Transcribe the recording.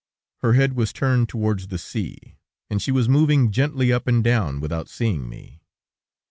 Her head was turned towards the sea, and she was moving gently up and down, without seeing me.